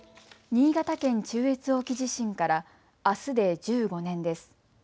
新潟県中越沖地震からあすで１５年です。